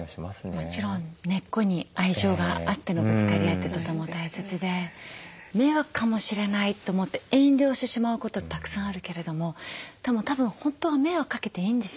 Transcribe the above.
もちろん根っこに愛情があってのぶつかり合いってとても大切で迷惑かもしれないと思って遠慮してしまうことたくさんあるけれどもでもたぶん本当は迷惑かけていいんです。